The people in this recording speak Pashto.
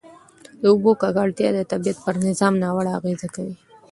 د اوبو ککړتیا د طبیعت پر نظام ناوړه اغېز کوي.